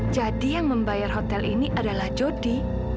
jadi yang membayar hotel ini adalah jody